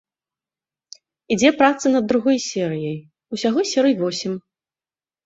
Ідзе праца над другой серыяй, усяго серый восем.